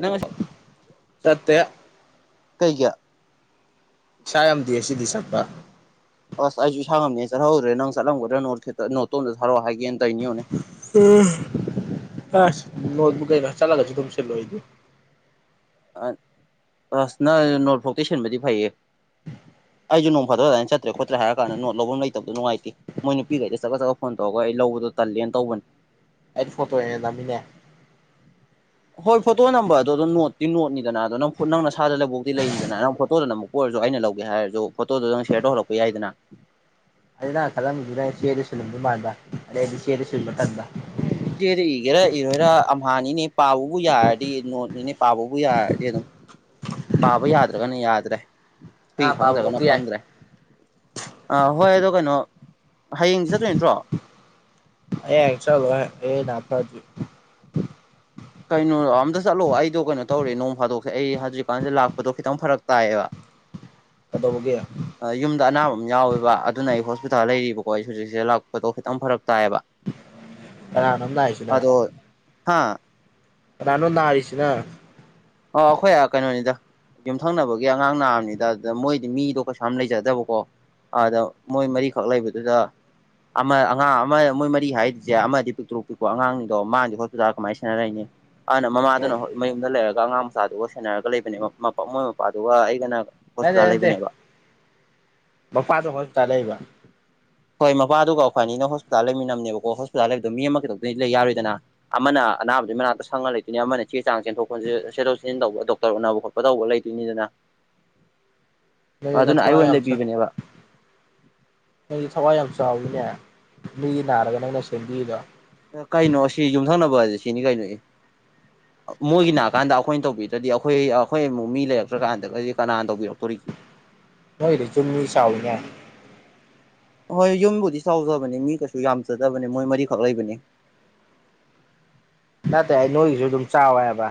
ꯅ ꯆꯠꯇꯦ ꯀꯩ ꯀ ꯁꯌꯥꯝ ꯑꯃꯗꯤ ꯑꯁꯤꯗꯤꯁꯛꯄ ꯑꯁ ꯑꯩꯁꯨ ꯏꯁꯥ ꯉꯝꯅꯦ ꯆꯠꯍꯧꯗ꯭ꯔꯦ ꯅꯪ ꯆꯠꯂꯝꯒꯗ꯭ꯔꯥ ꯅ ꯅꯣꯠꯇꯇꯝ ꯊ ꯁꯥꯔꯛꯑꯣ ꯍꯥꯏꯒꯦꯅ ꯇꯩꯅꯅꯤꯌꯣꯅꯦ ꯎꯝ ꯅꯣꯠꯕꯨ ꯆꯂꯒꯁꯨ ꯊꯝꯁꯂꯣꯗꯨ ꯑꯁ ꯅꯪ ꯅꯣꯔꯠꯐꯥꯎꯇ ꯁꯤꯟꯕꯗꯤ ꯐꯩꯌꯦ ꯑꯩꯁꯨ ꯅꯣꯡ ꯐꯗꯕ ꯑꯗꯨꯥꯏꯅ ꯆꯠꯇ꯭ꯔꯦ ꯈꯣꯠꯇ꯭ꯔꯦ ꯍꯥꯏꯔ ꯀꯥꯟꯗ ꯅꯣ ꯂꯧꯕꯝ ꯂꯩꯕꯗꯣ ꯅꯨꯡꯥꯏꯇꯦ ꯃꯣꯏ ꯅꯨꯄꯤꯈꯩꯗ ꯆꯠꯂ ꯆꯠ ꯐꯣꯟ ꯇꯧꯔꯒ ꯍꯣꯏ ꯑꯩ ꯂꯧꯕꯗꯣ ꯇꯜꯂꯦꯅ ꯇꯧꯕꯅꯦ ꯑꯩꯗꯤ ꯐꯣꯇꯣ ꯅꯃꯤꯅꯦ ꯍꯣꯏ ꯐꯣꯇꯣ ꯅꯝꯕꯔꯗꯣ ꯑꯗꯨꯣ ꯅꯣꯠꯇꯤ ꯅꯣꯠꯅꯤꯗꯅ ꯑꯣ ꯅꯪ ꯅꯪ ꯅꯁꯥꯗ ꯂꯕꯨꯧꯗꯤꯤ ꯂꯩꯔꯤꯗꯅ ꯅꯪ ꯐꯣꯇꯣꯗꯅ ꯑꯃꯨꯛ ꯀꯣꯏꯔ ꯨ ꯑꯩꯅ ꯂꯧꯒꯦ ꯍꯥꯏꯔꯁꯨ ꯐꯣꯇꯣꯗꯨꯣꯗꯪ ꯁꯦꯌꯔ ꯇꯧꯍꯜꯂꯛꯄ ꯌꯥꯏꯗꯅ ꯑꯗ ꯅ ꯈꯜꯂꯝꯗꯨꯗ ꯆꯦꯗ ꯁꯨꯂꯝꯗ ꯃꯥꯟꯕ ꯑꯗꯩꯗꯤ ꯆꯦꯗ ꯁꯨꯕ ꯊꯛꯕ ꯍꯣꯏꯅꯦ ꯏꯆꯦꯗ ꯏꯒꯦꯔꯥ ꯏꯔꯣꯏꯔꯥ ꯑꯝꯍꯥꯅꯤꯅꯦ ꯄꯥꯕꯕꯨ ꯌꯥꯔꯗꯤ ꯅꯣꯠꯅꯤꯅꯦ ꯄꯥꯕꯕꯨ ꯌꯥꯔ ꯍꯥꯏꯗꯤ ꯑꯗꯨꯝ ꯄꯥꯕ ꯌꯥꯗ꯭ꯔꯒꯅ ꯌꯥꯗ꯭ꯔꯦ ꯍꯨꯏ ꯑꯥ ꯈꯪꯗ꯭ꯔꯒꯅꯣ ꯄꯥꯕꯕꯧꯗꯤ ꯌꯥꯏ ꯈꯪꯗ꯭ꯔꯦ ꯑꯥ ꯍꯣꯏ ꯑꯗꯣ ꯀꯩꯅꯣ ꯍꯌꯦꯡ ꯆꯠꯇ꯭ꯔꯔꯤ ꯅꯠꯇ꯭ꯔꯣ ꯑꯦ ꯆꯂꯣ ꯅꯅꯥ ꯐꯗꯨ ꯀꯩꯅꯣ ꯑꯝꯇ ꯆꯠꯂꯣ ꯑꯩꯗꯣ ꯀꯩꯅꯣ ꯇꯧꯔꯦ ꯅꯣꯡ ꯐꯥꯗꯣꯛꯁꯦ ꯑꯩ ꯍꯧꯖꯤꯛꯀꯥꯟꯁꯦ ꯂꯥꯛꯄꯗꯣ ꯈꯤꯇꯪ ꯐꯔꯛ ꯇꯥꯏꯌꯦꯕ ꯀꯩꯗꯧꯕꯒꯤ ꯌꯨꯝꯗ ꯑꯅ ꯌꯥꯎꯋꯦꯕ ꯑꯗꯨꯅ ꯑꯩ ꯍꯣꯁꯄꯤꯇꯥꯜ ꯂꯩꯔꯤꯕꯀꯣ ꯑꯩ ꯍꯧꯖꯤꯛꯁꯤꯗ ꯂꯥꯛꯄꯗꯣ ꯈꯤꯇꯪ ꯐꯔꯛ ꯇꯥꯏꯌꯦꯕ ꯑꯔꯅꯅ ꯍꯥꯏꯥꯏꯁꯗ ꯍꯥꯥ ꯔꯥꯅꯅꯗꯔꯤꯁꯤꯅ ꯑ ꯑꯩꯈꯣꯏ ꯀꯩꯅꯣꯅꯤꯗ ꯌꯨꯝꯊꯪꯅꯕꯒꯤ ꯑꯉꯥꯡ ꯅꯥꯕꯅꯤꯗ ꯑꯗꯨꯗ ꯃꯣꯏꯗꯤ ꯃꯤꯗꯣ ꯀꯩꯁꯥꯝ ꯂꯩꯖꯗꯕꯀꯣ ꯑꯥꯗ ꯃꯣꯏ ꯃꯔꯤꯈꯛ ꯂꯩꯕꯗꯨꯗ ꯑꯃ ꯑꯉꯥꯡ ꯑꯃ ꯃꯣꯏ ꯃꯔꯤ ꯍꯥꯏꯔꯤꯁꯦ ꯑꯃ ꯄꯤꯛꯇꯣꯔꯨꯛ ꯄꯤꯛꯄꯣ ꯑꯉꯥꯡꯅꯤꯗꯣ ꯃꯥꯥꯡꯗꯤ ꯍꯣꯁꯄꯤꯇꯥꯜ ꯀꯃꯥꯏꯅ ꯁꯥꯟꯅꯔꯛꯏꯅꯤ ꯑꯗꯨꯅ ꯑꯃꯨꯛ ꯃꯃꯥꯗꯨꯅ ꯍꯣꯏ ꯃꯌꯨꯝꯗ ꯂꯩꯔꯒ ꯑꯉꯥꯡ ꯃꯆꯥꯗꯨꯒ ꯁꯦꯟꯅꯔꯒ ꯂꯩꯕꯅꯦ ꯃꯣꯏ ꯃꯄꯥꯗꯨꯒ ꯑꯩꯒꯅ ꯌꯥꯦ ꯍꯣꯁꯄꯤꯇꯥꯜ ꯅꯠꯇꯦ ꯂꯩꯕꯅꯦꯕ ꯃꯄꯥꯗꯣ ꯍꯣꯁꯄꯤꯇꯥꯜ ꯂꯩꯕ ꯍꯣꯏ ꯃꯄꯥꯗꯨꯒ ꯑꯩꯈꯣꯏꯅꯤꯅ ꯍꯣꯁꯄꯤꯇꯥꯜ ꯂꯩꯃꯤꯟꯅꯝꯅꯦꯕꯀꯣ ꯍꯣꯁꯄꯤꯇꯥꯜ ꯂꯩꯕꯗꯣ ꯃꯤ ꯑꯃ ꯀꯩꯗꯧ ꯂꯩ ꯌꯥꯔꯣꯏꯗꯅ ꯑꯃꯅ ꯑꯅꯥꯕꯗꯨ ꯃꯅꯥꯛꯇ ꯁꯪꯉ ꯂꯩꯇꯣꯏꯅꯤ ꯑꯃꯅ ꯆꯦ ꯆꯥꯡ ꯆꯦꯟꯊꯣꯛ ꯈꯟ ꯆꯊꯣꯛ ꯆꯁꯤꯟ ꯇꯧꯕ ꯗꯣꯛꯇꯔ ꯎꯅꯕ ꯈꯣꯠꯄ ꯇꯧꯕ ꯂꯩꯇꯣꯏꯅꯤꯗꯅ ꯃ ꯂꯥꯛꯊꯣ ꯑꯩꯌꯥꯝꯝꯁꯨ ꯂꯩꯕꯤꯕꯅꯦꯕ ꯃ ꯂꯩ ꯊꯕ ꯑꯩꯌꯥꯝꯝꯁꯨ ꯆꯥꯎꯋꯅꯦ ꯃꯤꯒꯤ ꯅꯥꯔꯒ ꯅꯪꯅ ꯁꯦꯝꯕꯤꯗ ꯀꯩꯅꯣ ꯁꯤ ꯌꯨꯝꯊꯪꯅꯕ ꯍꯥꯏꯁ ꯁꯤꯅꯤ ꯀꯩꯅꯣ ꯏ ꯃꯣꯏꯒꯤ ꯅꯥꯑꯀꯥꯟꯗ ꯑꯩꯈꯣꯏꯅ ꯇꯧꯕꯤꯗ꯭ꯔꯗꯤ ꯑꯩꯈꯣꯏ ꯑꯩꯈꯣꯏ ꯑꯃꯨꯛ ꯃꯤ ꯂꯩꯔꯛꯇ꯭ꯔꯀꯥꯟꯗꯒꯗꯤ ꯀꯅꯥꯅ ꯇꯧꯕꯤꯔꯛꯇꯣꯔꯤ ꯅꯣꯏꯗꯤ ꯖꯨꯝꯗꯤ ꯆꯥꯎꯏꯅꯦ ꯍꯣꯏ ꯌꯨꯝꯕꯨꯗꯤ ꯆꯥꯎꯖꯕꯅꯤ ꯃꯤ ꯀꯩꯁꯨ ꯌꯥꯝꯖꯗꯕꯅꯦ ꯃꯣꯏ ꯃꯔꯤꯈꯛ ꯂꯩꯕꯅꯤ ꯆꯠꯇꯦ ꯍꯥꯏ ꯅꯣꯏꯒꯤꯁꯨ ꯑꯗꯨꯝ ꯆꯥꯎꯋꯦ ꯍꯥꯏꯕ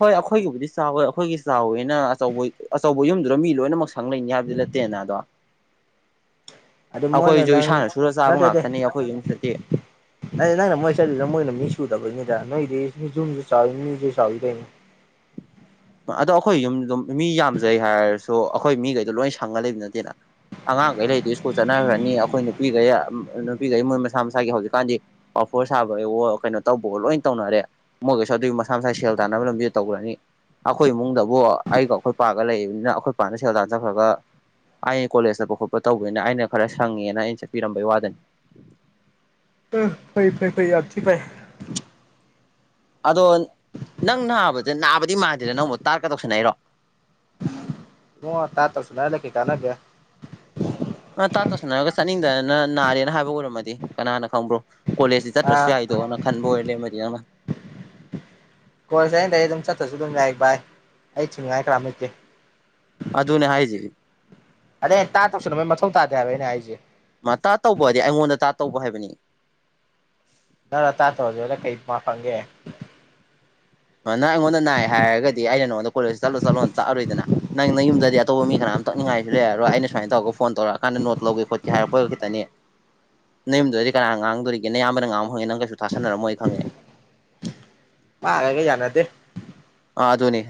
ꯍꯣꯏ ꯑꯩꯈꯣꯏꯒꯤꯕꯨꯗꯤ ꯆꯥꯎꯋꯦ ꯑꯩꯈꯣꯏꯒꯤ ꯆꯥꯎꯋꯦꯅ ꯑꯆꯧꯕ ꯑꯆꯧꯕ ꯌꯨꯝꯗꯨꯗ ꯃꯤ ꯂꯣꯏꯅꯃꯛ ꯁꯪ ꯂꯩꯅꯤ ꯍꯥꯏꯕꯗꯤ ꯂꯩꯇꯦ ꯇꯦꯅꯗꯣ ꯑꯗꯨ ꯃꯣꯏꯅ ꯑꯩꯈꯣꯏꯁꯨ ꯅꯪ ꯏꯁꯥꯅ ꯁꯨꯔ ꯆꯥꯕ ꯉꯥꯛꯇꯅꯤ ꯑꯩꯈꯣꯏ ꯌꯨꯝꯗꯗꯤ ꯍꯥꯏꯗꯤ ꯅꯪꯅ ꯃꯥꯏ ꯆꯠꯂꯤꯗꯣ ꯃꯣꯏ ꯃꯤ ꯁꯨꯗꯕꯒꯤ ꯌꯥ ꯃꯤꯖ ꯆ ꯃꯤꯁꯦ ꯆꯗ ꯑꯗꯣ ꯑꯩꯈꯣꯏ ꯌꯨꯝ ꯑꯗꯨꯝ ꯃꯤ ꯌꯥꯝꯖꯩ ꯍꯥꯏꯔꯁꯨ ꯑꯩꯈꯣꯏ ꯃꯤꯈꯩꯗꯣ ꯂꯣꯏ ꯁꯪꯒ ꯂꯩꯕ ꯅꯠꯇꯦꯅ ꯑꯉꯥꯡꯈꯩ ꯂꯩꯗꯨ ꯁ꯭ꯀꯨꯜ ꯆꯠꯅꯈ꯭ꯔꯅꯤ ꯑꯩꯈꯣꯏ ꯅꯨꯄꯤꯈꯩ ꯅꯨꯄꯤꯈꯩ ꯃꯣꯏ ꯃꯁꯥ ꯃꯁꯥꯒꯤ ꯍꯧꯖꯤꯛꯀꯥꯟꯗꯤ ꯐꯣꯔ ꯁꯥꯕꯩ ꯀꯩꯅꯣ ꯇꯧꯕꯒꯣ ꯂꯣꯏ ꯇꯧꯅꯔꯦ ꯃꯣꯏꯒꯁꯨ ꯑꯗꯨꯒꯤ ꯃꯁꯥ ꯃꯁꯥ ꯁꯦꯜ ꯇꯥꯟꯅꯕ ꯂꯝꯕꯤ ꯇꯧꯈ꯭ꯔꯅꯤ ꯑꯩꯈꯣꯏ ꯏꯃꯨꯡꯗꯕꯨ ꯑꯩꯒ ꯑꯩꯈꯣꯏ ꯄꯥꯒ ꯂꯩꯕꯅꯤꯅ ꯑꯩꯈꯣꯏ ꯄꯥꯅ ꯁꯦꯜ ꯇꯥꯟꯖꯈ꯭ꯔꯒ ꯑꯩꯩꯅ ꯀꯣꯂꯦꯖ ꯆꯠꯄ ꯈꯣꯠꯄ ꯇꯧꯕꯅꯤꯅ ꯑꯩꯅ ꯈꯔ ꯁꯪꯉꯦꯅ ꯑꯩꯅ ꯆꯠꯄꯤꯔꯝꯕꯩ ꯋꯥꯗꯅꯤ ꯑꯥ ꯐꯩ ꯐꯩ ꯐꯩ ꯌꯝ ꯊꯤ ꯐꯩ ꯑꯗꯣ ꯅꯪ ꯅꯥꯕꯗ ꯅꯥꯕꯗꯤ ꯃꯥꯟꯗꯦꯗ ꯅꯪꯕꯨ ꯇꯥꯠꯀ ꯇꯧꯁꯟꯅꯩꯔꯣ ꯑꯣ ꯇꯥꯠ ꯇꯔꯁꯨꯅ ꯂꯩ ꯀꯦ ꯀꯥꯟꯅ ꯀꯦ ꯑ ꯇꯥꯠ ꯇꯥꯁꯟꯅꯔꯒ ꯆꯠꯅꯤꯡꯗꯗꯅ ꯅꯥꯔꯦꯅ ꯍꯥꯏꯕ ꯑꯣꯏꯔꯝꯃꯗꯤ ꯀꯅꯥꯅ ꯈꯪꯕ꯭ꯔꯣ ꯀꯣꯂꯦꯖꯇꯤ ꯆꯠꯇ꯭ꯔꯁꯨ ꯑꯥ ꯌꯥꯏꯗꯣꯅ ꯈꯟꯕ ꯑꯣꯏꯔ ꯂꯩꯔꯃꯗꯤ ꯅꯪꯅ ꯀꯣꯜꯁꯦ ꯑꯩꯅ ꯑꯩ ꯑꯗꯨꯝ ꯆꯠꯇꯔꯁꯨ ꯑꯗꯨꯝ ꯌꯥꯏ ꯚꯏ ꯑꯩ ꯊꯤꯡꯅꯤꯉꯥꯏ ꯀꯟꯅꯝ ꯂꯩꯇꯦ ꯑꯗꯨꯅꯦ ꯍꯥꯏꯖꯔꯤ ꯑꯗꯩꯩꯅ ꯇꯥ ꯇꯧꯁꯅꯕꯕꯒꯤ ꯃꯊꯧ ꯇꯥꯗꯦ ꯍꯥꯏꯕ ꯑꯩꯅ ꯑꯩꯁꯦ ꯇꯥꯠ ꯇꯧꯕꯗꯤ ꯑꯩꯉꯣꯟꯗ ꯇꯥꯠ ꯇꯧꯕ ꯍꯥꯏꯕꯅꯤ ꯇꯥꯇ ꯍꯧꯖꯦꯂ ꯀꯩ ꯃꯥ ꯐꯪꯒꯦ ꯅꯪ ꯑꯩꯉꯣꯟꯗ ꯅꯥꯏ ꯍꯥꯏꯔꯒꯗꯤ ꯑꯩꯅ ꯅꯉꯣꯟꯗ ꯀꯣꯂꯦꯖ ꯆꯠꯂꯣ ꯆꯠꯂꯣꯅ ꯇꯥꯛꯑꯔꯣꯏꯗꯅ ꯅꯪ ꯅꯌꯨꯝꯗꯗꯤ ꯑꯇꯣꯞꯄ ꯃꯤ ꯀꯅꯥꯝ ꯇꯛꯅꯤꯡꯉꯥꯏꯁꯨ ꯂꯩ ꯑꯗꯣ ꯑꯩꯅ ꯁꯨꯃꯥꯏꯅ ꯇꯧꯔꯒ ꯐꯣꯟ ꯇꯧꯔꯛꯑꯀꯥꯟꯗ ꯅꯣꯠ ꯂꯧꯒꯦ ꯈꯣꯠꯀꯦ ꯍꯥꯏꯔꯛꯄ ꯈꯤꯇꯅꯤ ꯅꯌꯨꯝꯗꯗꯤ ꯀꯅꯥ ꯉꯥꯡꯗꯣꯔꯤꯒꯦ ꯅꯌꯥꯝꯕꯅ ꯉꯥꯡꯕ ꯐꯪꯏ ꯅꯪ ꯀꯩꯁꯨ ꯊꯥꯁꯟꯅꯔꯝꯃꯣꯏ ꯑꯩ ꯈꯪꯉꯤ ꯃꯥꯒ ꯑꯩꯒ ꯌꯥꯅꯗꯦ ꯑꯗꯨꯅꯤ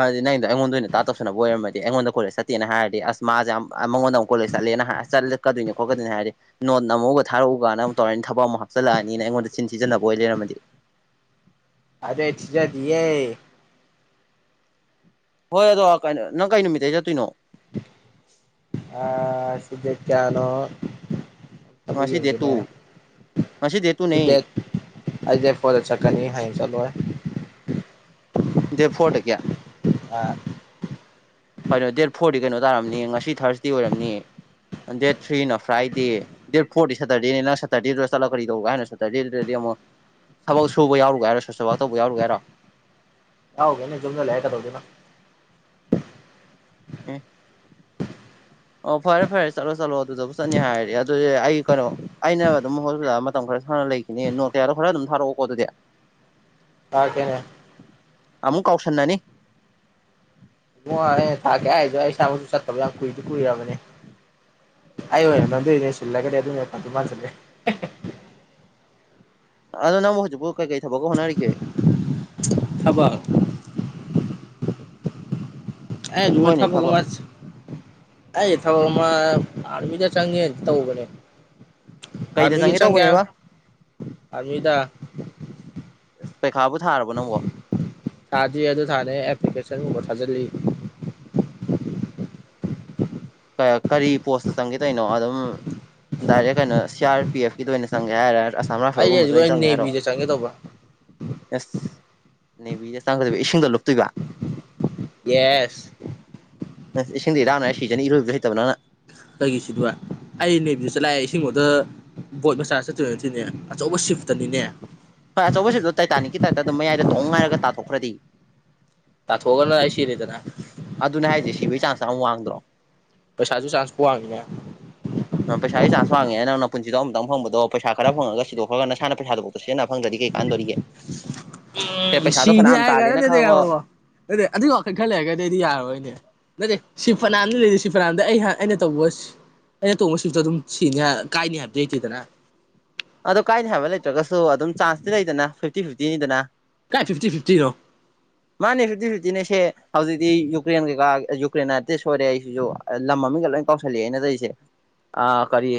ꯑꯗꯤ ꯅꯪꯗꯣ ꯑꯩꯉꯣꯟꯗ ꯑꯣꯏꯅ ꯇꯧꯁꯤꯟꯅꯅꯕ ꯑꯣꯏꯔꯝꯗꯤ ꯑꯩꯉꯣꯟꯗ ꯀꯣꯂꯦꯖ ꯆꯠꯇꯦꯅ ꯍꯥꯏꯔꯗꯤ ꯑꯁ ꯃꯥꯁꯦ ꯌꯥꯝ ꯃꯉꯗ ꯑꯃꯨ ꯀꯣꯂꯦꯖ ꯆꯠꯦ ꯆꯠꯂꯦꯅ ꯍꯥꯏ ꯆꯠꯂꯛꯀꯣꯏ ꯈꯣꯠꯀꯣꯏꯅꯦ ꯍꯥꯏꯔꯗꯤ ꯅ ꯑꯃꯨꯛ ꯊꯥꯔꯛꯎ ꯀꯀ ꯑꯃꯨꯛꯧꯔꯅꯤ ꯊꯕꯛ ꯑꯃꯛ ꯍꯥꯞꯆꯜꯂꯛꯑꯅꯤꯅ ꯑꯩꯉꯣꯟꯗ ꯁꯤ ꯊꯤꯖꯤꯟꯅꯕ ꯑꯣꯏ ꯂꯩꯔꯝꯃꯗꯤ ꯑꯔꯦ ꯊꯤꯖꯗꯤꯌꯦ ꯍꯣꯏ ꯑꯗꯣ ꯀꯩ ꯅꯪ ꯀꯩ ꯅꯨꯃꯤꯠꯇꯩ ꯆꯠꯇꯣꯏꯅꯣ ꯑꯥ ꯉꯁꯤꯗꯦ ꯀꯥꯌꯥꯅꯣ ꯑꯝꯇꯕꯨ ꯉꯁꯤ ꯗꯦꯠ ꯌꯦꯡꯒꯦꯅꯦ ꯇꯨ ꯉꯁꯤ ꯗꯦꯠ ꯇꯨꯅꯦ ꯁꯤꯗ ꯑꯩꯗ ꯐꯣꯟꯗ ꯆꯠꯀꯅꯤ ꯍꯥꯏꯅ ꯆꯠꯂꯣꯏ ꯗꯦꯠ ꯐꯣꯔꯗꯒꯤ ꯑꯥ ꯀꯩꯅꯣ ꯗꯦꯠ ꯐꯣꯔꯗꯤ ꯀꯩꯅꯣ ꯇꯥꯔꯝꯅꯤ ꯉꯁꯤ ꯊꯥꯔꯁꯗꯦ ꯑꯣꯏꯔꯝꯅꯤꯌꯦ ꯗꯦꯠ ꯊ꯭ꯔꯤꯅ ꯐ꯭ꯔꯥꯏꯗꯦ ꯗꯦꯠ ꯐꯣꯔꯗꯤ ꯁꯦꯇꯔꯗꯦꯅꯦ ꯅꯪ ꯁꯦꯇꯔꯗꯦꯗꯨꯗ ꯆꯠꯂꯒ ꯀꯔꯤ ꯇꯧꯔꯒ ꯍꯥꯏꯅ ꯁꯦꯇꯔꯗꯦꯗꯨꯗ ꯊꯕꯛ ꯁꯨꯕ ꯌꯥꯎꯔꯨꯒꯥꯏꯔꯣ ꯁꯣꯁꯦꯜ ꯋꯥꯛ ꯇꯧꯕ ꯌꯥꯎꯔꯨꯒꯦ ꯍꯥꯏꯔꯣ ꯌꯥꯎꯒꯦꯅꯦ ꯌꯨꯝꯗ ꯂꯩꯔ ꯀꯩꯗꯧꯗꯣꯏꯅꯣ ꯑꯦ ꯑꯣ ꯐꯔꯦ ꯐꯔꯦ ꯆꯠꯂꯣ ꯆꯠꯂꯣ ꯑꯗꯨꯗꯕꯨ ꯆꯠꯅꯤ ꯍꯥꯏꯔꯗꯤ ꯑꯗꯨꯗꯤ ꯑꯩ ꯀꯩꯅꯣ ꯑꯩꯅ ꯑꯗꯨꯝ ꯍꯣꯁꯄꯤꯇꯥꯜꯗ ꯃꯇꯝ ꯈꯔ ꯍꯥꯟꯅ ꯂꯩꯈꯤꯅꯦ ꯅꯣꯛ ꯀꯌꯥꯗꯣ ꯈꯔ ꯑꯗꯨꯝ ꯊꯥꯔꯛꯑꯣꯀꯣ ꯑꯗꯨꯗꯤ ꯊꯥꯔꯛꯀꯦꯍꯦ ꯑꯃꯨꯛ ꯀꯥꯎꯁꯟꯅꯟꯅꯅꯤ [unintelligible] ꯑꯩꯅ ꯊꯥꯀꯦ ꯍꯥꯗꯨ ꯑꯩ ꯏꯁꯥꯃꯛꯁꯨ ꯆꯠꯇꯕ ꯌꯥꯝ ꯀꯨꯏꯗꯤ ꯀꯨꯏꯔꯕꯅꯦ꯫ ꯑꯩ [unintelligible] ꯑꯗꯣ ꯅꯪꯕꯨ ꯍꯧꯖꯤꯛꯄꯨ ꯀꯩꯀꯩ ꯊꯕꯛꯀ ꯍꯣꯠꯅꯔꯤꯒꯦ? ꯊꯕꯛ [unintelligible] ꯊꯕꯛ ꯑꯃꯁ ꯑꯩ ꯊꯕꯛ ꯑꯃ ꯑꯔꯃꯤꯗ ꯆꯪꯒꯦ ꯇꯕꯅꯦ꯫ ꯀꯩꯗ ꯑꯔꯃꯤꯒꯤ ꯆꯪꯒꯦ ꯇꯧꯕꯅꯦꯕ ꯑꯔꯃꯤꯗ ꯄꯩꯈꯥꯕꯨ ꯊꯥꯔꯕ ꯅꯪꯕꯣ? ꯊꯥꯗꯤ ꯑꯗꯨ ꯊꯥꯅꯦ ꯑꯦꯄ꯭ꯂꯤꯀꯦꯁꯟꯒꯨꯝꯕ ꯊꯥꯖꯤꯜꯂꯤ꯫ ꯀ ꯀꯔꯤ ꯄꯣꯁꯇ ꯆꯪꯒꯦ ꯇꯧꯏꯅꯣ ꯑꯗꯨꯝ ꯗꯥꯏꯔꯦꯛ ꯀꯩꯅ ꯁꯤ ꯑꯔ ꯄꯤ ꯑꯦꯐ ꯀꯤꯗ ꯑꯣꯏꯅ ꯆꯪꯒꯦ ꯍꯥꯏꯔ ꯁꯝꯔꯥꯏꯐꯜ ꯑꯩ ꯒꯨꯝꯕꯗ ꯍꯧꯖꯤꯛ ꯑꯣꯏꯅ ꯑꯩ ꯆꯪꯁꯦ ꯍꯥꯏꯔꯣ? ꯅꯦꯚꯤꯗ ꯆꯪꯒꯦ ꯇꯧꯕ ꯑꯦꯁ ꯅꯦꯕꯤꯗ ꯆꯥꯡꯒꯗꯣꯏꯕ ꯏꯁꯤꯡꯗ ꯂꯨꯞꯇꯨꯏꯕ꯫ ꯌꯦꯁ ꯑꯁ ꯏꯁꯤꯡꯗ ꯏꯔꯥꯟꯅꯔ ꯁꯤꯖꯅꯤ ꯏꯔꯣꯏꯕꯁꯨ ꯍꯩꯇꯕ ꯅꯪꯅ꯫ ꯀꯩꯒꯤ ꯁꯤꯗꯨꯕ ꯑꯩ ꯅꯦꯕꯤꯗ [unintelligible] ꯕꯣꯠ ꯃꯆꯥ ꯆꯠꯇꯣꯏ ꯅꯠꯇꯦꯅꯦ ꯑꯆꯧꯕ ꯁꯤꯐꯇꯅꯤꯅꯦ꯫ ꯍꯣꯏ ꯑꯆꯧꯕ ꯁꯤꯕꯇꯣ ꯇꯥꯏꯇꯥꯅꯤꯛꯀꯤ ꯇꯥꯏꯞꯇ ꯑꯗꯨꯝ ꯃꯌꯥꯏꯗ ꯗꯣꯡ ꯉꯥꯏꯔꯒ ꯇꯥꯊꯣꯛꯈ꯭ꯔꯗꯤ꯫ ꯇꯥꯊꯣꯛꯑꯒꯅ ꯑꯩ ꯁꯤꯔꯦꯗꯅꯥ꯫ ꯑꯗꯨꯅꯦ ꯍꯥꯏꯁꯦ ꯁꯤꯕꯒꯤ ꯆꯥꯟꯁ [unintelligible] ꯄꯩꯁꯥꯁꯨ ꯆꯥꯟꯁꯄꯨ ꯋꯥꯉꯤꯅꯦ꯫ ꯑ ꯄꯩꯁꯥꯒꯤ ꯆꯥꯟꯁ ꯋꯥꯉꯦ ꯅꯪꯅ ꯄꯨꯟꯁꯤꯗꯣ ꯑꯃꯨꯇꯪ ꯐꯪꯕꯗꯣ ꯄꯩꯁꯥ ꯈꯔ ꯐꯪꯉꯒ ꯁꯤꯗꯣꯛꯈ꯭ꯔꯒ ꯅꯁꯥꯅ ꯄꯁꯥꯗꯨꯕꯣꯛꯇ ꯁꯤꯖꯤꯟꯅꯕ [unintelligible] ꯀꯩ ꯀꯥꯟꯗꯣꯔꯤꯒꯦ꯫ ꯑꯦ ꯎꯝ ꯄꯩꯁꯥꯗꯣ ꯁꯤꯗꯤ ꯐꯅꯌꯥꯝ ꯍꯥꯏ [unintelligible] ꯇꯥꯜꯂꯦꯅ ꯅꯠꯇꯦ ꯈꯪꯉꯣ ꯑꯗꯨꯏ ꯋꯥꯈꯜ ꯈꯜ ꯂꯩꯔꯒꯗꯤ ꯑꯩꯗꯤ ꯌꯥꯔꯔꯣꯏꯅꯦ꯫ ꯅꯠꯇꯦ ꯁꯤ ꯐꯅꯥꯝꯅ ꯂꯩꯔꯤ ꯁꯤ ꯐꯅꯥꯝꯗ ꯑꯩꯍꯥ ꯑꯩꯅ ꯇꯧꯕꯁꯤ ꯑꯩꯅ ꯇꯣꯡꯕ ꯁꯤꯕꯇꯣ ꯑꯗꯨꯝ ꯁꯤꯅꯤ ꯀꯥꯏꯅꯤ ꯍꯥꯏꯕꯗꯤ ꯂꯩꯇꯦꯗꯅ ꯑꯗꯣ ꯀꯥꯏꯅꯤ ꯍꯥꯏꯕ ꯂꯩꯇ꯭ꯔꯒꯁꯨ ꯑꯗꯨꯝ ꯆꯥꯟꯁꯇꯤ ꯂꯩꯗꯅ ꯐꯤꯐꯇꯤ ꯐꯤꯐꯇꯤꯅꯤꯗꯅ꯫ ꯀꯥꯏ ꯐꯤꯐꯇꯤ ꯐꯤꯐꯇꯤꯅꯣ ꯃꯥꯅꯦ ꯐꯤꯐꯇꯤ ꯐꯤꯐꯇꯤꯅꯦꯁꯦ꯫ ꯍꯧꯖꯤꯛꯇꯤ ꯌꯨꯀ꯭ꯔꯦꯟ ꯀꯩꯀꯥ ꯌꯨꯀ꯭ꯔꯦꯟ ꯑꯥꯔꯇꯤꯁ ꯑꯣꯏꯔꯦ ꯑꯩꯁꯤꯁꯨ ꯂꯝ ꯃꯃꯤꯡꯒ ꯂꯣꯏ ꯀꯥꯎꯁꯜꯂꯛꯑꯦ ꯑꯩꯅ ꯇꯧꯔꯤꯁꯦ꯫ ꯑ ꯀꯔꯤ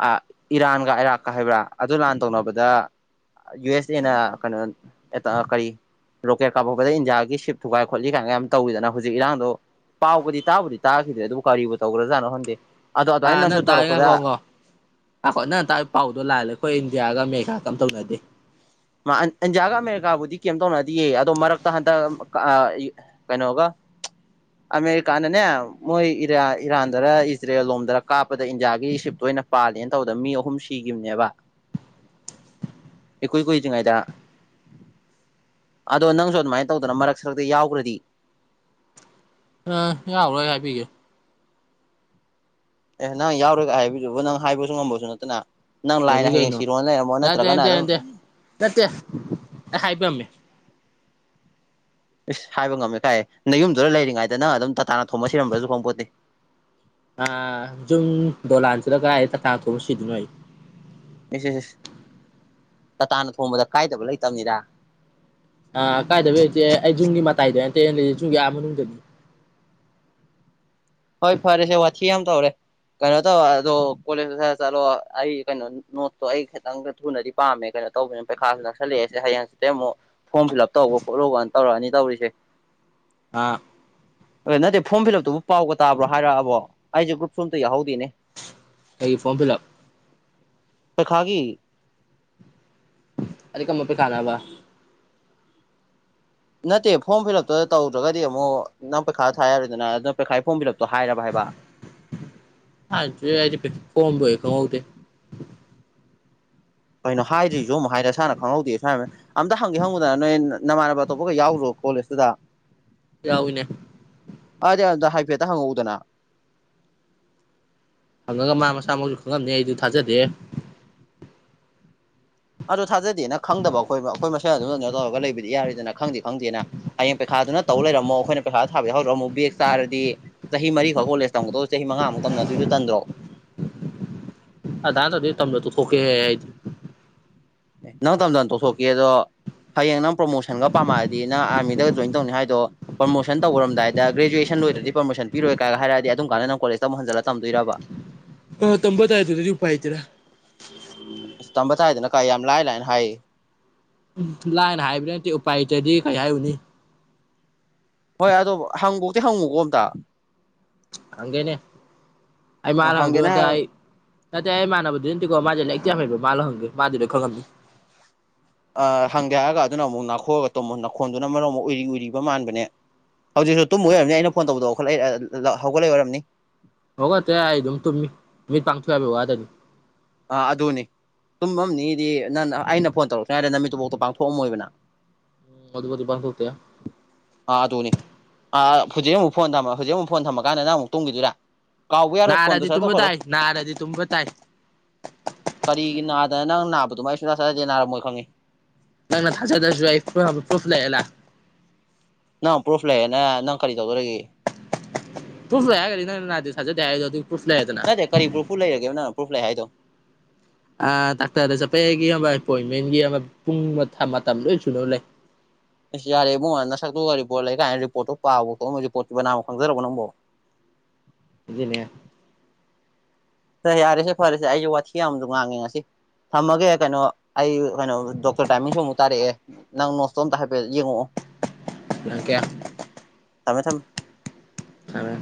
ꯑ ꯏꯔꯥꯟꯒ ꯏꯔꯥꯛꯀ ꯍꯥꯏꯕ꯭ꯔꯥ ꯑꯗꯨ ꯂꯥꯟ ꯇꯧꯅꯕꯗ ꯌꯨ ꯑꯦꯁ ꯑꯦꯅ ꯀꯩꯅꯣ ꯑꯦ ꯀꯔꯤ ꯔꯣꯀꯦꯠ ꯀꯥꯕꯛꯄꯗ ꯏꯟꯗꯤꯌꯥꯒꯤ ꯁꯤꯞ ꯊꯨꯒꯥꯏ ꯈꯣꯠꯂꯤ ꯀꯥꯏꯅꯒ ꯌꯥꯝ ꯇꯧꯋꯤꯗꯅ ꯍꯧꯖꯤꯛ ꯏꯔꯥꯡꯗꯣ ꯄꯥꯎꯕꯨꯗꯤ ꯇꯥꯕꯨꯗꯤ ꯇꯥꯈꯤꯗ꯭ꯔꯦ ꯑꯗꯨꯕꯨ ꯀꯔꯤꯕꯨ ꯇꯧꯒꯔꯖꯥꯅꯣ ꯍꯟꯗꯦ꯫ ꯑꯥ ꯅ ꯇꯥꯏ [unintelligible] ꯅ ꯇꯥꯏ ꯄꯥꯎꯗꯣ ꯂꯥꯂꯦ꯫ ꯑꯩꯈꯣꯏ ꯏꯟꯗꯤꯌꯥꯒ ꯑꯃꯦꯔꯤꯀꯥꯒꯝ ꯇꯧꯅꯗꯦ꯫ ꯃ ꯏꯟꯗꯤꯌꯥꯒ ꯑꯃꯦꯔꯤꯀꯥꯕꯨꯗꯤ ꯀꯩꯝ ꯇꯧꯅꯗꯤꯌꯦ ꯑꯗꯣ ꯃꯔꯛꯇ ꯍꯟꯗꯛ ꯑ ꯏ ꯀꯩꯅꯣꯒ ꯑꯃꯦꯔꯤꯀꯥꯅꯅꯦ ꯃꯣꯏ ꯏꯔꯥ ꯏꯔꯥꯟꯗꯔ ꯏꯖꯔꯦꯜ ꯂꯣꯝꯗꯔ ꯀꯥꯞꯄꯗ ꯏꯟꯗꯤꯌꯥꯒꯤ ꯁꯤꯞꯇꯨ ꯈꯣꯏꯅ ꯄꯥꯜꯂꯦꯅ ꯇꯧꯕꯗ ꯃꯤ ꯑꯍꯨꯝ ꯁꯤꯈꯤꯕꯅꯦꯕ ꯏꯀꯨꯨꯏ ꯀꯨꯏ ꯉꯩꯗ꯫ ꯑꯗꯣ ꯅꯪꯁꯨ ꯑꯗꯨꯃꯥꯏꯅ ꯇꯧꯗꯅ ꯃꯔꯛ ꯁꯔꯛꯇ ꯌꯥꯎꯈ꯭ꯔꯗꯤ꯫ ꯑ ꯌꯥꯥꯎꯔ ꯍꯥꯏ ꯄꯤꯒꯦ꯫ ꯑꯦ ꯅꯪ ꯌꯥꯎꯔꯣꯢꯒ ꯍꯥꯏꯕꯤꯗꯨꯕ ꯅꯪ ꯍꯥꯏꯕꯁꯨ ꯉꯝꯕꯁꯨ ꯅꯠꯇꯅ꯫ ꯅꯪ ꯌꯥꯝꯃꯤ ꯂꯥꯏꯅ ꯍꯌꯦꯡ ꯀꯩꯅꯣ ꯁꯤꯔꯣꯅ ꯂꯩꯔꯝꯃꯣ ꯅꯠꯇꯦ ꯅꯠꯇ꯭ꯔꯒꯅ ꯅꯠꯇꯦ ꯑꯗꯨꯝ ꯅꯠꯇꯦ ꯅꯠꯇꯦ ꯑꯩ ꯍꯥꯏꯕꯤꯔꯝꯃꯦ ꯏꯁ ꯍꯥꯏꯕ ꯉꯝꯃꯦ ꯀꯥꯏꯌꯦ ꯅꯌꯨꯝꯗꯨꯗ ꯂꯩꯔꯤꯉꯩꯗ ꯅꯪ ꯑꯗꯨꯝ ꯇꯇꯥꯅ ꯊꯣꯃ ꯁꯤꯔꯝꯕ꯭ꯔꯁꯨ ꯈꯪꯄꯣꯠꯇꯦ꯫ ꯑ ꯖꯨꯝ ꯗꯣꯂꯥꯟ ꯁꯤꯗ ꯀꯥꯏ ꯇꯥꯇꯥꯅ ꯊꯣꯝꯃ ꯁꯤꯗꯨꯏꯅꯣ ꯑꯩ꯫ [unintelligible] ꯇꯇꯥꯅ ꯊꯣꯡꯕꯗ ꯀꯥꯏꯗꯕ ꯂꯩꯇꯕꯅꯤꯗ꯫ ꯑ ꯀꯥꯏꯗꯕ ꯂꯩꯇꯦ ꯑꯩ ꯖꯨꯝꯒꯤ ꯃꯇꯥꯏꯗ ꯅꯇꯦ ꯂꯩ ꯌꯨꯝꯒꯤ ꯑꯥ ꯃꯅꯨꯡꯗꯅꯤ꯫ ꯍꯣꯏ ꯐꯔꯦ ꯁꯦ ꯋꯥꯊꯤ ꯌꯥꯝ ꯇꯧꯔꯦ꯫ ꯀꯩꯅꯣ ꯇꯧ ꯑꯗꯣ ꯀꯣꯂꯦꯖ ꯆꯠꯂꯣ ꯑꯩ ꯀꯩꯅꯣ ꯅꯣꯠꯇꯣ ꯑꯩ ꯈꯤꯇꯪ ꯊꯨꯅꯗꯤ ꯄꯥꯝꯃꯦ ꯀꯩꯅꯣ ꯇꯧꯕꯅꯦꯅ ꯄꯩꯈꯥꯁꯤ ꯅꯛꯁꯤꯜꯛꯦꯁꯦ ꯍꯌꯦꯡꯁꯤꯦ ꯑꯃꯨꯛ ꯐꯣꯔꯝ ꯐꯤꯜ ꯑꯞ ꯇꯧꯕ ꯈꯣꯠꯂꯨꯕꯅ ꯇꯧꯔꯛꯑꯅꯤ ꯇꯧꯔꯤꯁꯦ ꯑꯥ ꯑ ꯅꯠꯇꯦ ꯐꯣꯔꯝ ꯐꯤꯜ ꯑꯞꯇꯨꯕꯨ ꯄꯥꯎꯒ ꯇꯥꯕ꯭ꯔꯣ ꯍꯥꯏꯔꯛꯑꯕꯣ ꯑꯩꯁꯦ ꯒ꯭ꯔꯨꯞ ꯐꯣꯝꯇ ꯌꯥꯍꯧꯗꯦꯅꯦ ꯑꯩ ꯐꯣꯔꯝ ꯐꯤꯂꯞ ꯄꯈꯥꯒꯤ ꯀꯃ ꯈꯥꯗꯕ ꯅꯠꯇꯦ ꯐꯣꯔꯝ ꯐꯤꯜꯂꯞꯇ ꯇꯧꯗ꯭ꯔꯒꯗꯤ ꯑꯃꯨꯛ ꯅꯪ ꯄꯩꯈꯥ ꯊꯥꯔꯗꯅ ꯅ ꯄꯩꯈꯥ ꯐꯣꯔꯝ ꯐꯤꯜꯂꯞ ꯑꯦ ꯐ ꯐꯗ ꯈꯗ ꯀꯩꯅꯣ ꯍꯥꯏꯗ꯭ꯔꯤꯁꯨ ꯑꯃꯨꯛ ꯍꯥꯏꯔꯦ ꯏꯁꯥꯅ ꯈꯪꯍꯧꯗꯦ ꯁ꯭ꯃꯏꯝꯅ ꯑꯝꯇ ꯍꯪꯒꯦ ꯍꯪꯕꯗꯅ ꯅꯣꯏ ꯅꯃꯥꯟꯅꯕ ꯑꯇꯣꯞꯄꯒ ꯌꯥꯎꯔꯣ ꯀꯣꯂꯦꯖꯇꯨꯗ ꯌꯥꯎꯅꯦ ꯑꯗꯨꯗꯤ ꯑꯗꯨꯗ ꯍꯥꯏꯐꯦꯠꯇ ꯍꯪꯉꯛꯎꯗꯅ ꯊꯪꯉꯒ ꯃꯥ ꯃꯁꯥꯃꯛꯁꯨ ꯈꯪꯉꯝꯅꯤ ꯑꯩꯗꯨ ꯊꯥꯖꯗꯦ ꯑꯗꯨ ꯊꯥꯖꯗꯦꯅ ꯈꯪꯗꯕ ꯑꯩꯈꯣꯏ ꯑꯩꯈꯣꯏ ꯃꯁꯦꯜ ꯑꯗꯨꯗꯅ ꯇꯧꯔꯒ ꯂꯩꯕꯗꯤ ꯌꯥꯔꯤꯗꯅ ꯈꯪꯗꯦ ꯈꯪꯗꯦꯅ ꯍꯌꯦꯡ ꯄꯩꯈꯥ ꯑꯗꯨ ꯇꯧ ꯂꯩꯔꯝꯃ ꯑꯩꯈꯣꯏꯅ ꯄꯩꯁꯥ ꯊꯥꯕ ꯌꯥ ꯍꯧꯔꯝꯨ ꯕꯦ ꯆꯥꯔꯗꯤ ꯆꯍꯤ ꯃꯔꯤꯈꯛ ꯀꯣꯂꯦꯖ ꯇꯝꯃꯛꯇꯣ ꯆꯍꯤ ꯃꯉꯥꯃꯨꯛ ꯇ ꯑꯗꯨꯗꯤ ꯇꯗ꯭ꯔꯣ ꯑꯗꯅ ꯑꯗꯨ ꯇꯝꯅ ꯇ ꯈꯀꯦ ꯍꯥꯏ ꯅꯪ ꯇꯝꯗꯅ ꯇꯣꯊꯣꯛꯀꯦꯗꯣ ꯍꯌꯦꯡ ꯅꯪ ꯄ꯭ꯔꯣꯃꯣꯁꯟꯒ ꯄꯥꯝꯃꯛꯑꯗꯤ ꯅꯪꯥꯔꯃꯤꯒ ꯖꯣꯏ ꯇꯧꯅꯤ ꯍꯥꯏꯗꯣ ꯄ꯭ꯔꯣꯃꯣꯁꯟ ꯇꯧꯔꯝꯗꯥꯏꯗ ꯒ꯭ꯔꯦꯖꯨꯑꯁꯟ ꯂꯣꯏꯗ꯭ꯔꯗꯤ ꯄꯔꯣꯁꯟ ꯄꯔꯣꯏ ꯀꯥꯏꯒ ꯍꯥꯏꯔꯗꯤ ꯑꯗꯨꯝ ꯀꯥꯟ ꯅꯪ ꯀꯣꯂꯦꯖ ꯑꯃꯨꯛꯟꯖꯜꯂꯝꯣꯏꯔꯕ ꯍ ꯇꯝꯕꯇꯥꯏ ꯇꯣꯏ ꯑꯗꯨ ꯨꯄꯥ ꯍꯥꯏꯇꯔꯥ ꯑꯁ ꯇꯝꯕ ꯇꯥꯏꯗꯅ ꯀꯥꯏ ꯌꯥꯝ ꯂꯥꯏ ꯂꯥꯏꯅ ꯍꯥꯏ ꯎꯝ ꯂꯥꯏꯅ ꯍꯥꯏꯕ ꯅꯠꯇꯦ ꯎꯄꯥꯏꯇꯗꯤ ꯀꯩ ꯍꯥꯏꯌꯨꯅꯤ ꯍꯣꯏ ꯑꯗꯣ ꯍꯪꯕꯧꯇꯤ ꯍꯪꯉꯨꯀꯣ ꯑꯝꯇ ꯑꯒꯦꯅꯦ ꯑꯩ ꯃꯥꯂꯣ ꯍꯪꯗꯣꯏ ꯍꯪꯒꯦꯅ ꯅꯠꯇ ꯍꯥꯏꯔ ꯑꯩ ꯅꯠꯇꯦ ꯑꯩ ꯃꯥꯟꯅꯕꯗꯨ ꯅꯠꯇꯦꯀꯣ ꯃꯥꯁꯦ ꯂꯩꯛꯇꯤ ꯐꯩꯕ ꯃꯥꯜꯂ ꯍꯪꯗꯦ ꯃꯥꯗꯨꯔ ꯈꯣ ꯉ ꯑ ꯍꯪꯗꯦ ꯍꯥꯏꯔꯒ ꯑꯗꯨꯅ ꯑꯃꯨꯛ ꯉꯅꯥꯈꯣꯛꯂꯒ ꯇꯣꯃꯣ ꯅꯥꯈꯣꯟꯗꯨꯅ ꯃꯔꯣ ꯑꯃꯨꯛ ꯎꯔꯤ ꯎꯏꯔꯤꯕ ꯃꯥꯟꯕꯅꯦ ꯍꯧꯖꯤꯛꯁꯨ ꯇꯨꯝ ꯑꯣꯏꯔꯝꯅꯤ ꯑꯩꯅ ꯐꯣꯟ ꯇꯧꯕꯗꯈꯠꯂ ꯍꯧꯒꯠꯂꯛꯏ ꯑꯣꯏꯝꯅꯤ ꯍꯒꯣ ꯇ ꯍꯥꯏꯗ ꯃꯤ ꯄꯥꯡ ꯊꯨ ꯌꯥꯗꯤ ꯑꯥ ꯑꯗꯨꯅꯤ ꯇꯨꯝ ꯑꯝꯗꯤ ꯅꯪ ꯑꯩꯅ ꯐꯣꯟ ꯇꯧꯔꯛꯛꯇ ꯍꯥꯏꯔꯗ ꯅꯨꯃꯤꯠꯇꯨꯕꯥꯎꯇ ꯄꯥꯡꯊꯣꯛꯑꯝꯃꯣꯏꯕꯅ ꯑꯗꯨꯕꯨꯗꯤ ꯄꯥꯡꯊꯣꯛꯇꯦ ꯑꯥ ꯇꯨꯅꯦ ꯑ ꯍꯧꯖꯤꯛ ꯑꯃꯨ ꯐ ꯊꯝꯃ ꯍꯧꯖꯤꯛ ꯑꯃꯨ ꯐꯣꯟ ꯊꯝꯃꯥꯟꯗꯪ ꯑꯃꯨ ꯇꯈꯤꯗꯑꯣꯏ ꯅꯔꯥꯗꯤ ꯇꯨꯝꯕ ꯇꯥꯏ ꯅꯔꯥꯗꯤ ꯇꯨꯝꯕ ꯇꯥꯏ ꯀꯔꯤꯒꯤ ꯅꯥꯗꯅ ꯅꯪ ꯅꯥꯕꯗꯨꯃꯥꯏꯁꯨ ꯅ ꯆꯂꯗꯦ ꯅꯥꯔꯝꯃꯣꯏ ꯈꯪꯉꯤ ꯂꯪꯅ ꯊꯥꯖ ꯊꯁꯨꯏ ꯐ ꯄ꯭ꯔꯨꯐ ꯂꯩꯂ [unintelligible] ꯄ꯭ꯔꯨꯐ ꯂꯩꯌꯦ ꯅꯪꯔꯤ [unintelligible] ꯅꯠꯇꯦ ꯀꯔꯤ ꯄ꯭ꯔꯨꯐꯨ ꯂꯩꯔꯒꯦ ꯅꯪ ꯄ꯭ꯔꯨꯐ ꯂꯩ ꯍꯥꯏꯗꯣ ꯑ ꯗꯥꯛꯇꯔꯗ ꯆꯠꯄꯦꯒꯤ ꯑꯃ ꯑꯦꯄꯣꯏꯟꯃꯦꯟꯒꯤ ꯄꯨꯡ ꯃꯇꯝ ꯂꯣꯏ ꯁꯨꯅꯨ ꯂꯩ [inaudible] ꯑꯁ ꯌꯥꯔꯦ ꯏꯕꯣ ꯍꯗ ꯅ ꯁꯛꯛꯇꯨꯒ ꯔꯤꯄꯣꯔꯠ ꯂꯩ ꯀꯥꯏꯅ ꯔꯤꯄꯣꯔꯠꯇꯣ ꯄꯥꯕ ꯈꯣꯠ ꯔꯤꯄꯣꯔꯠꯇꯤ ꯃꯅꯥꯝꯃ ꯈꯪꯖꯔꯕ ꯅꯪꯕꯣ [inaudible] ꯑꯗꯨ ꯑꯗꯨꯅ ꯍ ꯌꯥꯔꯁꯦ ꯐꯔꯦꯁꯦ ꯑꯩꯁꯦ ꯋꯥꯊꯤ ꯌꯥꯝꯗ ꯉꯥꯡꯉꯦ ꯉꯁꯤ ꯊꯝꯃꯒꯦ ꯀꯩꯅꯣ ꯑꯩ ꯀꯩꯅꯣ ꯗꯣꯛꯇꯔ ꯇꯥꯏꯃꯤꯡꯁꯨ ꯑꯃꯨꯛ ꯇꯥꯔꯛꯑꯦ ꯅꯪ ꯅꯣꯁꯇꯣꯝꯇ ꯍꯥꯏꯐꯦꯠ ꯌꯦꯡꯉꯛꯑꯣ ꯂꯪꯀꯦꯌꯥ ꯊꯝꯃꯦ ꯊꯝꯃꯦ ꯑ